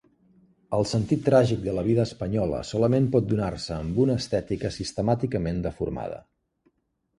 El sentit tràgic de la vida espanyola solament pot donar-se amb una estètica sistemàticament deformada.